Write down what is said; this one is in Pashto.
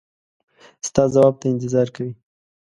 ستا ځواب ته انتظار کوي.